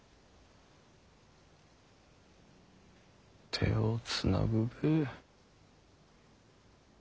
手をつなぐべぇ。